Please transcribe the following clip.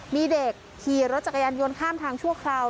มีเด็กขี่รถจักรยานยนต์ข้ามทางชั่วคราว